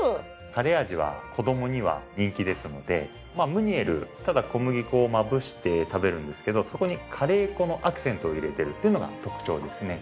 カレー味は子供には人気ですのでまあムニエルただ小麦粉をまぶして食べるんですけどそこにカレー粉のアクセントを入れてるっていうのが特徴ですね。